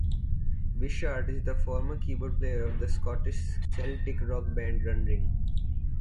Wishart is the former keyboard player of the Scottish Celtic rock band Runrig.